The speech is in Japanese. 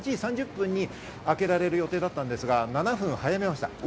８時３０分に開けられる予定だったんですが、７分早めました。